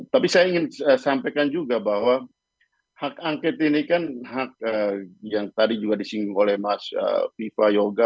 tapi saya ingin sampaikan juga bahwa hak angket ini kan hak yang tadi juga disinggung oleh mas viva yoga